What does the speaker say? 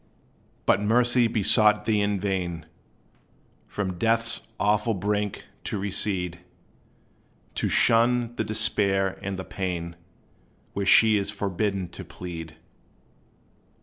But Mercy besought thee in vain, From death's awful brink to recede; To shun the despair and the pain Where she is forbidden to plead.